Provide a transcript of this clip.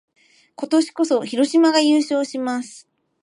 今年こそ、広島が優勝します！